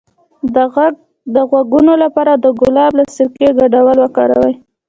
د غوږ د غږونو لپاره د ګلاب او سرکې ګډول وکاروئ